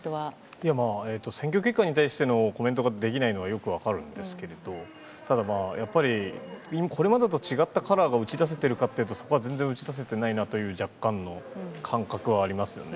いやまあ、選挙結果に対してのコメントができないのはよく分かるんですけど、ただまあ、やっぱりこれまでと違ったカラーが打ち出せてるかっていうと、そこは全然打ち出せてないなという若干の感覚はありますよね。